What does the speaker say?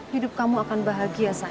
hidup kamu akan bahagia